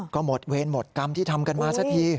ก็หมดเวรหมดกรรมที่ทำกันมาสักที